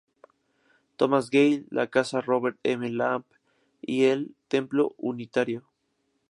Thomas Gale, la casa Robert M. Lamp y el Templo Unitario.